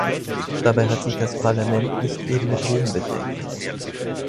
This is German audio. Dabei hat sich das Parlament nicht eben mit Ruhm bedeckt.